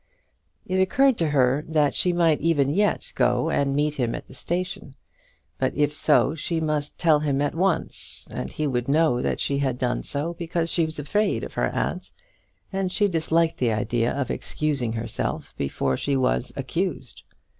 It occurred to her that she might even yet go and meet him at the station. But if so, she must tell him at once, and he would know that she had done so because she was afraid of her aunt, and she disliked the idea of excusing herself before she was accused.